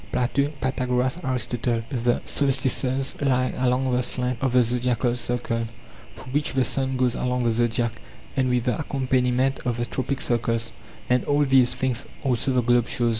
Plato, Pythagoras, Aristotle: The solstices lie along the slant of the zodiacal circle, through which the sun goes along the zodiac, and with the accompaniment of the tropic circles; and all these things also the globe shows.